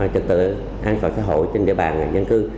trật tự an toàn xã hội trên địa bàn dân cư